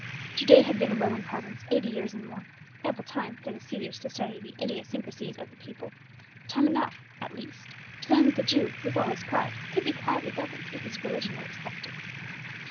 Judea had been a Roman province eighty years and more—ample time for the Caesars to study the idiosyncrasies of the people—time enough, at least, to learn that the Jew, with all his pride, could be quietly governed if his religion were respected.